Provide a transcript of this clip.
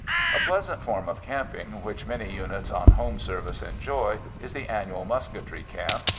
A pleasant form of camping which many units on home service enjoy is the annual musketry camp.